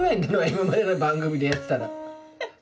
今までの番組で言ったら。